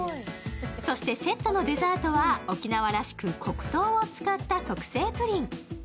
そしてセットのデザートは沖縄らしく黒糖を使った特製プリン。